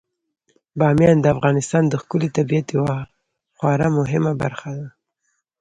بامیان د افغانستان د ښکلي طبیعت یوه خورا مهمه برخه ده.